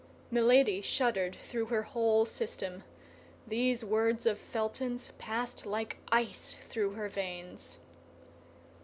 Milady shuddered through her whole system. These words of Felton's passed like ice through her veins.